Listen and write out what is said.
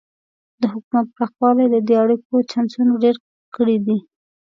د حکومت پراخوالی د دې اړیکو چانسونه ډېر کړي دي.